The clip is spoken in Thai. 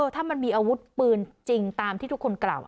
ถ้ามันมีอาวุธปืนจริงตามที่ทุกคนกล่าว